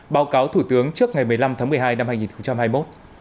báo cáo thủ tướng trước ngày một mươi năm tháng một mươi hai năm hai nghìn hai mươi một